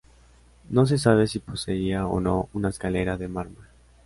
No se sabe si poseía o no una escalera de mármol.